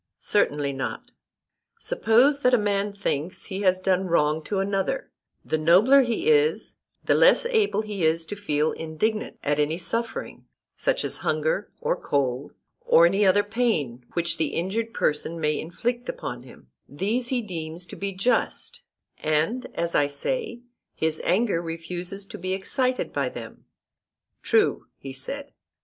Certainly not. Suppose that a man thinks he has done a wrong to another, the nobler he is the less able is he to feel indignant at any suffering, such as hunger, or cold, or any other pain which the injured person may inflict upon him—these he deems to be just, and, as I say, his anger refuses to be excited by them. True, he said.